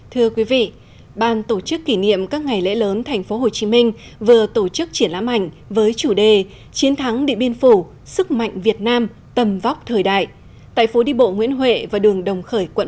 thưa quý vị ban tổ chức kỷ niệm các ngày lễ lớn tp hcm vừa tổ chức triển lãm ảnh với chủ đề chiến thắng điện biên phủ sức mạnh việt nam tầm vóc thời đại tại phố đi bộ nguyễn huệ và đường đồng khởi quận một